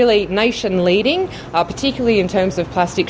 kami mencari terutama dalam hal bagi konsumen plastik